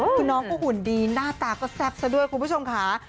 คือน้องก็หุ่นดีหน้าตาก็แซ่บซะด้วยคุณผู้ชมค่ะ